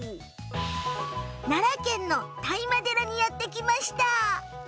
奈良県の當麻寺にやって来ました。